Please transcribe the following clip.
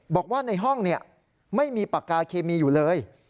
บอกว่าในห้องไม่มีปากกาเคมีอยู่เลย